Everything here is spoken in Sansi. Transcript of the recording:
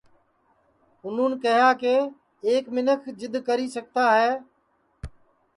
اُنُہون کیہیا کہ ایک مسٹر جِدؔ اِدؔا کری سِکتا ہے